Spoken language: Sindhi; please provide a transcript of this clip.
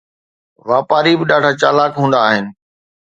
واپاري به ڏاڍا چالاڪ هوندا آهن.